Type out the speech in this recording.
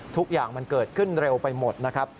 ทุกอย่างมันเกิดขึ้นเร็วไปหมดนะครับ